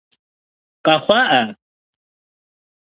Къэхъуа ӏа?